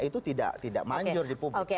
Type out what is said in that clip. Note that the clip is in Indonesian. itu tidak manjur di publik